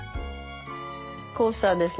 コースターですね。